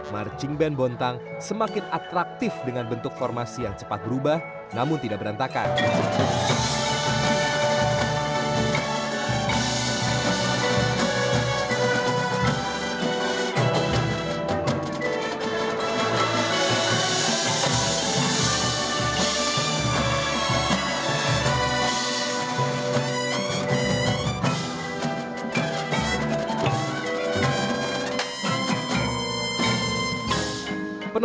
marching band bontang semakin atraktif dengan bentuk formasi yang cepat berubah namun tidak berantakan